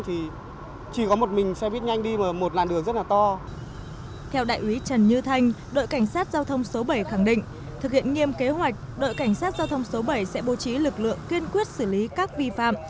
thực hiện nghiêm kế hoạch đội cảnh sát giao thông số bảy sẽ bố trí lực lượng kiên quyết xử lý các vi phạm